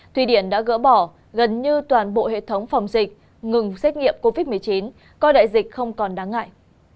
thụy điển đã gỡ bỏ gần như toàn bộ hệ thống phòng dịch ngừng xét nghiệm covid một mươi chín coi đại dịch không còn đáng ngại